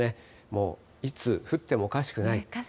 もう、いつ降ってもおかしくない。